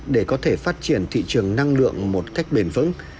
để có thể phát triển thị trường năng lượng một cách bền vững